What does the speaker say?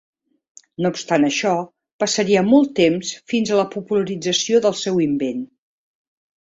No obstant això passaria molt temps fins a la popularització del seu invent.